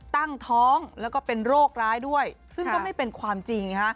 ตั้งท้องแล้วก็เป็นโรคร้ายด้วยซึ่งก็ไม่เป็นความจริง